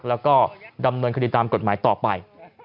และก็ดำนวนคุณติดตามกฎหมายต่อไป